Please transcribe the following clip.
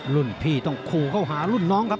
รุ่นพี่ต้องขู่เข้าหารุ่นน้องครับ